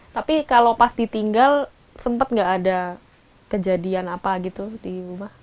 tapi kalau pas ditinggal sempat nggak ada kejadian apa gitu di rumah